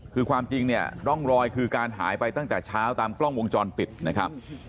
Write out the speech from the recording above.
คือความจริงเนี่ยร่องรอยคือการหายไปตั้งแต่เช้าตามกล้องวงจรปิดนะครับ